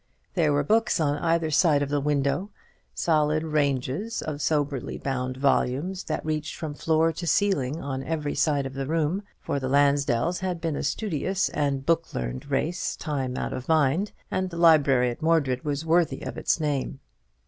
There were books on either side of the window; solid ranges of soberly bound volumes, that reached from floor to ceiling on every side of the room; for the Lansdells had been a studious and book learned race time out of mind, and the library at Mordred was worthy of its name.